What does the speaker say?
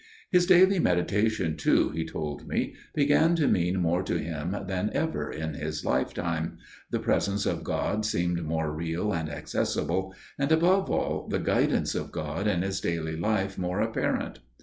His daily meditation, too, he told me, began to mean more to him than ever in his lifetime: the presence of God seemed more real and accessible, and, above all, the guidance of God in his daily life more apparent.